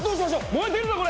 燃えてるぞこれ！